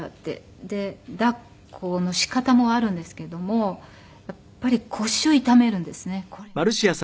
抱っこの仕方もあるんですけどもやっぱり腰を痛めるんですねこれ。